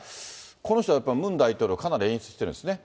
この人はやっぱりムン大統領、かなり演出してるんですね。